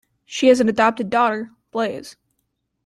She has an adopted daughter, Blaise.